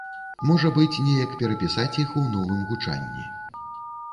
Можа быць, неяк перапісаць іх у новым гучанні.